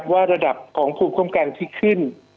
ว่าระดับของภูมิคุ้มกันที่ขึ้น